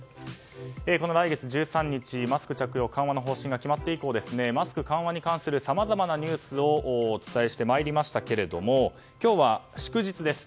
この来月１３日マスク着用緩和の方針が決まって以来マスク緩和に関するさまざまなニュースをお伝えしてまいりましたが今日は、祝日です。